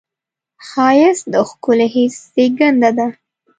ښایست د ښکلي حس زېږنده ده